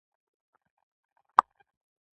ایا ستاسو دیګ به ډک وي؟